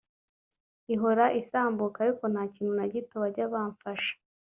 Ihora isambuka ariko nta kintu na gito bajya bapfasha